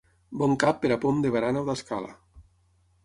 Bon cap per a pom de barana o d'escala!